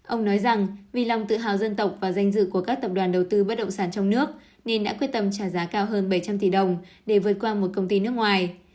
ông nói rằng vì lòng tự hào dân tộc và danh dự của các tập đoàn đầu tư bất động sản trong nước nên đã quyết tâm trả giá cao hơn bảy trăm linh tỷ đồng để vượt qua một công ty nước ngoài